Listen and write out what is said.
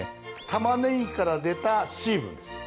玉ねぎから出た水分です